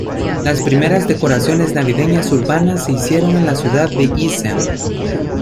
Las primeras decoraciones navideñas urbanas se hicieron en la ciudad de Essen.